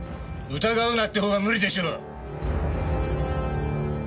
疑うなってほうが無理でしょう。